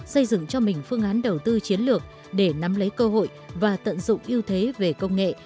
xây dựng cho mình phương án đầu tư chiến lược để nắm lấy cơ hội và tận dụng ưu thế về công nghệ